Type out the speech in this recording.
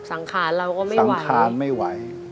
สังขารเราก็ไม่ไหว